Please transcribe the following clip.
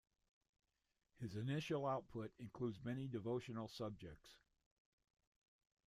His initial output includes many devotional subjects.